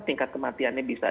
tingkat kematiannya bisa